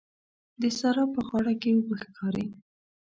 د سارا په غاړه کې اوبه ښکاري.